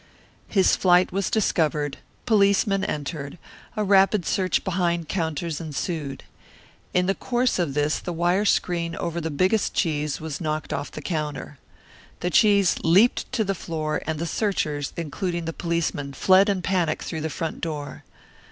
His flight was discovered, policemen entered, a rapid search behind counters ensued. In the course of this the wire screen over the biggest cheese was knocked off the counter. The cheese leaped to the floor, and the searchers, including the policemen, fled in panic through the front door.